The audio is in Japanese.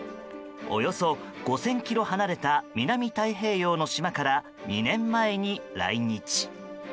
およそ５０００ｋｍ離れた南太平洋の島から２年前に来日。